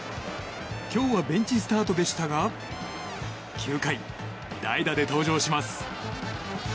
今日はベンチスタートでしたが９回、代打で登場します。